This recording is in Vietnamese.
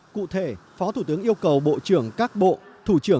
cụ thể phó thủ tướng yêu cầu bộ trưởng các bộ